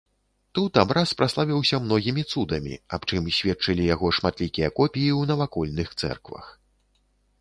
Тут абраз праславіўся многімі цудамі, аб чым сведчылі яго шматлікія копіі ў навакольных цэрквах.